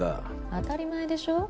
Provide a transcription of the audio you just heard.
当たり前でしょ。